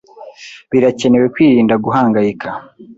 Birakenewe kwirinda guhangayika.